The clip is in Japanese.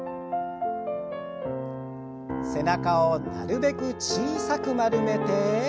背中をなるべく小さく丸めて。